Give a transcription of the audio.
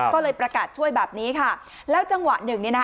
ก็เลยประกาศช่วยแบบนี้ค่ะแล้วจังหวะหนึ่งเนี่ยนะคะ